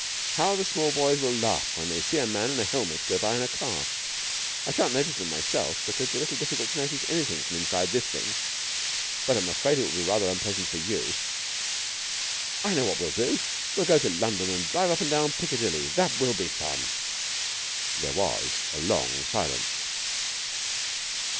How the small boys will laugh when they see a man in a helmet go by in a car! I shan't notice them myself because it's a little difficult to notice anything from inside this thing, but I'm afraid it will be rather unpleasant for you ... I know what we'll do. We'll go to London and drive up and down Piccadilly! That will be fun!" There was a long silence.